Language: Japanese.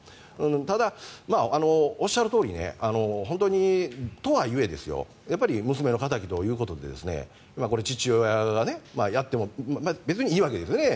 ただ、おっしゃるとおり本当にとはいえやっぱり娘の敵ということで父親がやっても別にいいわけですよね。